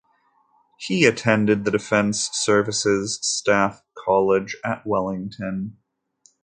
He attended the Defence Services Staff College at Wellington.